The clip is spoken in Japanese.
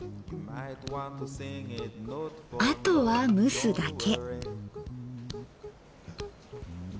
あとは蒸すだけ。